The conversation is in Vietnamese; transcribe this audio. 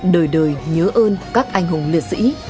đời đời nhớ ơn các anh hùng liệt sĩ